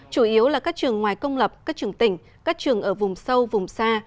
chủ yếu là các trường ngoài công lập các trường tỉnh các trường ở vùng sâu vùng xa